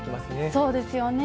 そうですよね。